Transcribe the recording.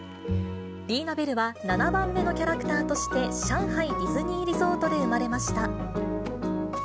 リーナ・ベルは７番目のキャラクターとして、上海ディズニーリゾートで生まれました。